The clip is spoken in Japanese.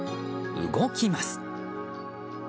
動きます。